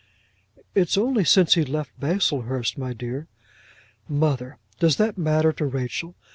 "It's only since he left Baslehurst, my dear." "Mother! does that matter to Rachel?